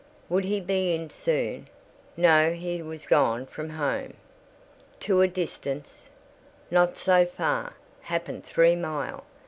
"Would he be in soon?" "No, he was gone from home." "To a distance?" "Not so far—happen three mile.